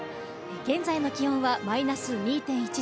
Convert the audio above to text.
現在の気温はマイナス２．１度。